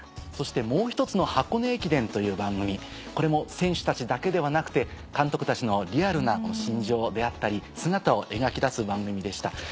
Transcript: そして『もうひとつの箱根駅伝』という番組これも選手たちだけではなくて監督たちのリアルな心情であったり姿を描き出す番組でした。